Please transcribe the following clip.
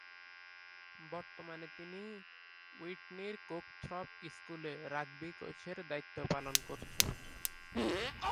বর্তমানে তিনি উইটনির কোকথ্রপ স্কুলে রাগবি কোচের দায়িত্ব পালন করছেন।